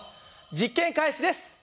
実験開始です。